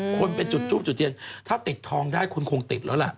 คนไปจุดทูบจุดเทียนถ้าติดทองได้คุณคงติดแล้วล่ะ